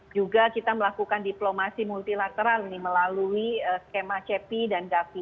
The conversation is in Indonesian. juga kita melakukan diplomasi multilateral nih melalui skema cepi dan davi